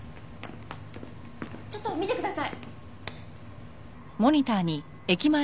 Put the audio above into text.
ちょっと見てください！